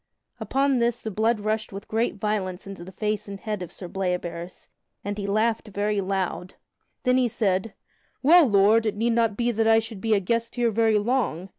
Upon this the blood rushed with great violence into the face and head of Sir Bleoberis, and he laughed very loud. Then he said: "Well, Lord, it need not be that I should be a guest here very long.